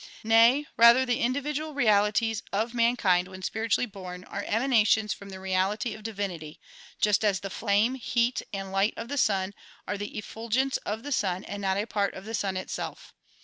Nay, rather, the individual realities of man kind when spiritually born are emanations from the reality of divinity, just as the flame, heat and light of the sun are the efful gence of the sun and not a part of the sun itself.